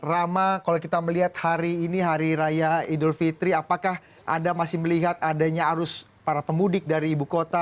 rama kalau kita melihat hari ini hari raya idul fitri apakah anda masih melihat adanya arus para pemudik dari ibu kota